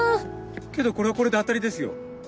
けどこれはこれでアタリですよ。